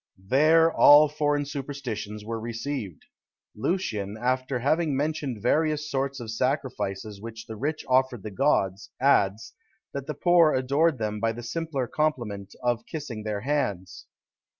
There all foreign superstitions were received. Lucian, after having mentioned various sorts of sacrifices which the rich offered the gods, adds, that the poor adored them by the simpler compliment of kissing their hands.